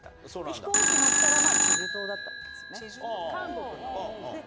飛行機乗ったら、チェジュ島だったんでですね、韓国の。